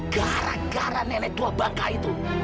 gara gara nenek tua bangka itu